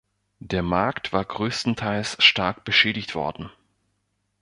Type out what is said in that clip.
Der Markt war größtenteils stark beschädigt worden.